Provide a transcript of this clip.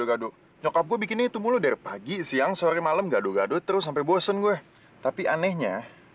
sampai jumpa di video selanjutnya